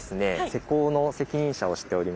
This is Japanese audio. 施工の責任者をしております